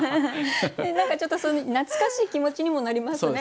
何かちょっと懐かしい気持ちにもなりますね。